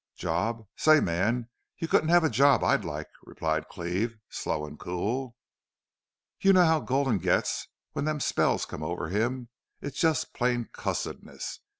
"'Job? Say, man, you couldn't have a job I'd like,' replied Cleve, slow an' cool. "You know how Gulden gets when them spells come over him. It's just plain cussedness.